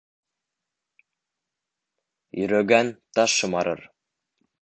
Йөрөгән таш шымарыр